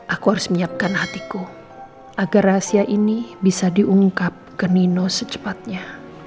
aku harus menyiapkan hatiku agar rahasia ini bisa diungkap ke nino secepatnya